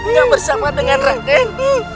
nggak bersama dengan raken